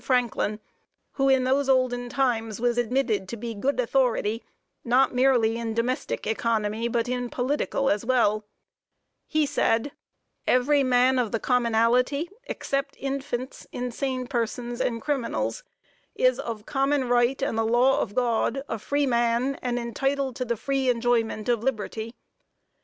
Franklin, who in those olden times was admitted to be good authority, not merely in domestic economy, but in political as well; he said: "Every man of the commonalty, except infants, insane persons and criminals, is of common right and the law of God, a freeman and entitled to the free enjoyment of liberty.